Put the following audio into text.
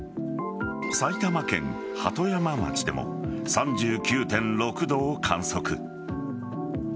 埼玉県鳩山町でも３９．６度を観測。